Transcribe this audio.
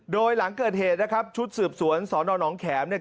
โดยหลังเกิดเหตุนะครับชุดสืบสวนสนหนองแขมเนี่ย